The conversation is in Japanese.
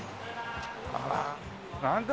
あらなんだ？